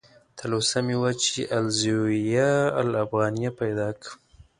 تلوسه مې وه چې "الزاویة الافغانیه" پیدا کړم.